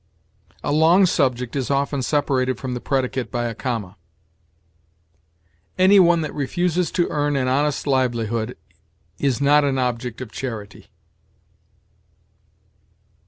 A long subject is often separated from the predicate by a comma. "Any one that refuses to earn an honest livelihood, is not an object of charity."